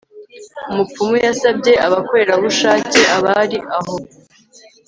umupfumu yasabye abakorerabushake abari aho